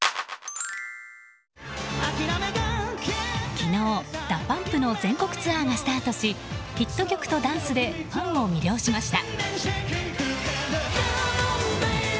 昨日、ＤＡＰＵＭＰの全国ツアーがスタートしヒット曲とダンスでファンを魅了しました。